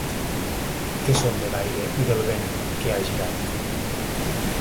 Que són de l’aire i del vent que ha girat.